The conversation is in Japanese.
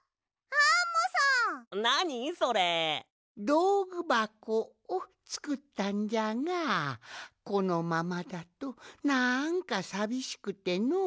どうぐばこをつくったんじゃがこのままだとなんかさびしくてのう。